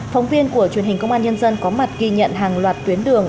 phóng viên của truyền hình công an nhân dân có mặt ghi nhận hàng loạt tuyến đường